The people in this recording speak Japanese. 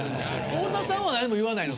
太田さんは何も言わないの？